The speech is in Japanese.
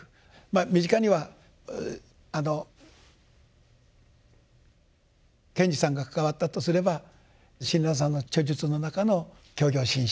身近にはあの賢治さんが関わったとすれば親鸞さんの著述の中の「教行信証」。